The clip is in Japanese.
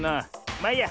まあいいや。